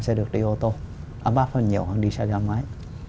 sẽ được đi ô tô áp áp hơn nhiều hơn đi xe giao máy